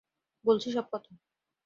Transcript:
বলছি সব কথা।